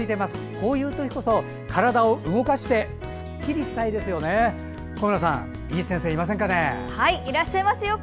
こういうときこそ体を動かしてすっきりしたいですよね。